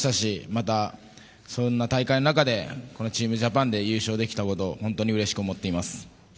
また、そんな大会の中でこのチームジャパンで優勝できたことを本当にうれしく思っています。